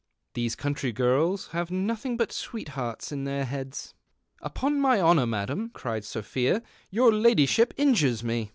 These country girls have nothing but sweethearts in their heads." * Upon my honour, madam," cried Sophia, " your ladyship injures me."